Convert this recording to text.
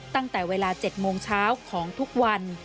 ตั้งแต่เวลา๗โมงเช้าของทุกวัน